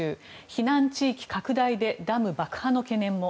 避難地域拡大でダム爆破の懸念も。